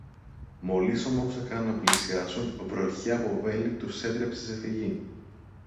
Μόλις όμως έκαναν να πλησιάσουν, βροχή από βέλη τους έτρεψε σε φυγή.